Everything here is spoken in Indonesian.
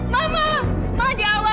nelama mas saja dong